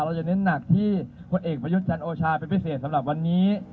จะเน้นหนักที่ผลเอกประยุทธ์จันทร์โอชาเป็นพิเศษสำหรับวันนี้